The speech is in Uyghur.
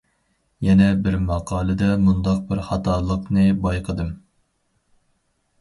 يەنە بىر ماقالىدە، مۇنداق بىر خاتالىقنى بايقىدىم.